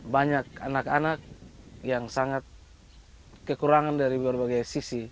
banyak anak anak yang sangat kekurangan dari berbagai sisi